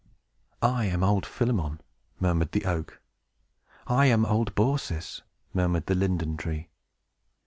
"I am old Philemon!" murmured the oak. "I am old Baucis!" murmured the linden tree.